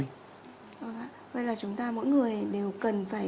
vậy là chúng ta mỗi người đều cần phải